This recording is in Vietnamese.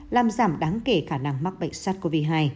làm giảm đáng kể khả năng mắc bệnh sars cov hai